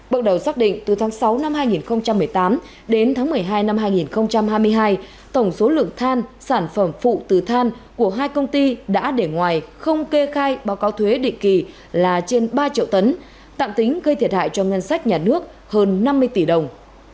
bước đầu xác định từ tháng sáu năm hai nghìn một mươi tám đến tháng một mươi hai năm hai nghìn hai mươi hai tổng số lượng than sản phẩm phụ từ than của hai công ty đã để ngoài không kê khai báo cáo thuế định kỳ là trên ba triệu tấn tạm tính gây thiệt hại cho ngân sách nhà nước hơn năm mươi tỷ đồng